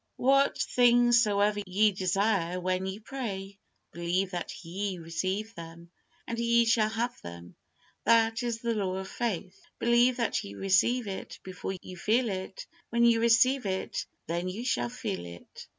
"What things soever ye desire when ye pray, believe that ye receive them, and ye shall have them." That is the law of faith. Believe that ye receive it before you feel it; when you receive it then you shall feel it.